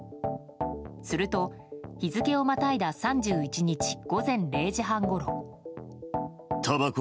すると、日付をまたいだ３１日午前０時半ごろ。